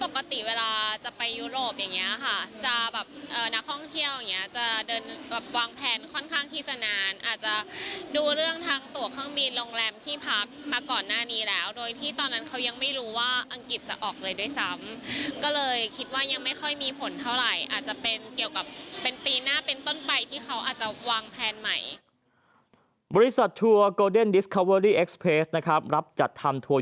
บริษัททัวร์ก็ยังไม่รู้ว่าอังกฤษจะออกเลยด้วยซ้ำก็เลยคิดว่ายังไม่ค่อยมีผลเท่าไรอาจจะเป็นเกี่ยวกับเป็นปีหน้าเป็นต้นไปที่เขาอาจจะวางแพลนใหม่